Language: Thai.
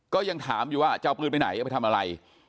ก็ยังถามอยู่ว่าจะเอาปืนไปไหนเอาไปทำอะไร